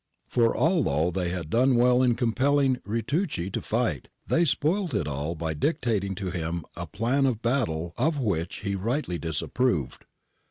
For although they had done well in compelling Ritucci to fight, they spoilt all by dictating to him a plan of battle of which he rightly disapproved.